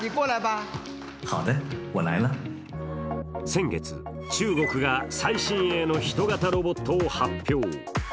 先月、中国が最新鋭のヒト型ロボットを発表。